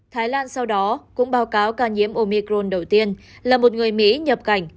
thái lan sau đó cũng báo cáo ca nhiễm omicron đầu tiên là một người mỹ nhập cảnh